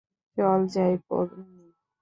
চল যাই, পোন্নি।